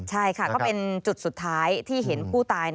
ใช่ค่ะก็เป็นจุดสุดท้ายที่เห็นผู้ตาย